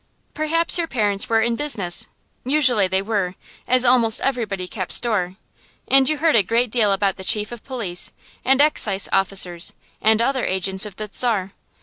Perhaps your parents were in business, usually they were, as almost everybody kept store, and you heard a great deal about the chief of police, and excise officers, and other agents of the Czar.